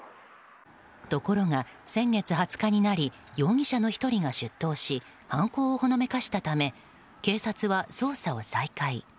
ところが先月２０日になり容疑者の１人が出頭し犯行をほのめかしたため警察は捜査を再開。